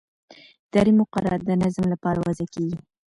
اداري مقررات د نظم لپاره وضع کېږي.